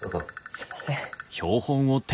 すみません。